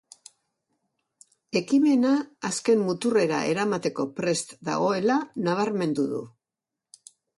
Ekimena azken muturrera eramateko prest dagoela nabarmendu du.